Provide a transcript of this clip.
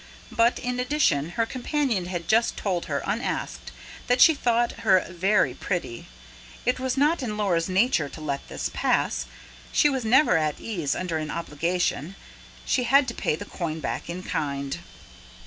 But, in addition, her companion had just told her, unasked, that she thought her "very pretty". It was not in Laura's nature to let this pass: she was never at ease under an obligation; she had to pay the coin back in kind.